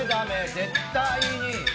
絶対に！